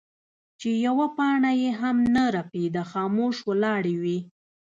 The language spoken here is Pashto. چې يوه پاڼه يې هم نۀ رپيده خاموش ولاړې وې ـ